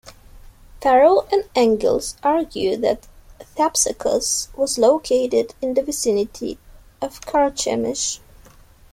Farrell and Engels argue that Thapsacus was located in the vicinity of Carchemish.